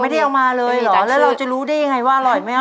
ไม่ได้เอามาเลยเหรอแล้วเราจะรู้ได้ยังไงว่าอร่อยไม่เอา